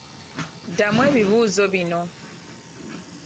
Ddamu ebibuuzo bino.